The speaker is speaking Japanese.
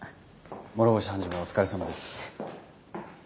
諸星判事もお疲れさまです。